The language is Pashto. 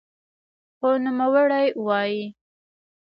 خو نوموړی وايي